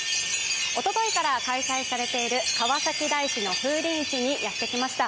おとといから開催されている川崎大師の風鈴市にやってきました。